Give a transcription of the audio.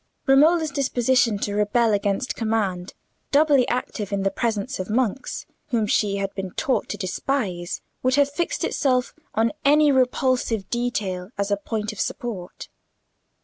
Romola's disposition to rebel against command, doubly active in the presence of monks, whom she had been taught to despise, would have fixed itself on any repulsive detail as a point of support.